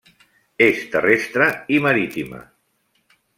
És terrestre i marítima.